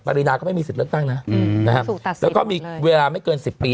ปรินาก็ไม่มีสิทธิ์เลือกตั้งนะแล้วก็มีเวลาไม่เกิน๑๐ปี